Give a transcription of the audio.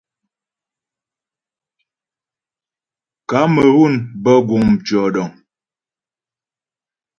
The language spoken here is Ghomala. Kamerun bə guŋ mtʉɔ̌dəŋ.